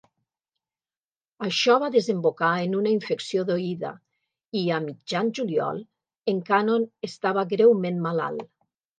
Això va desembocar en una infecció d'oïda i, a mitjan juliol, en Cannon estava greument malalt.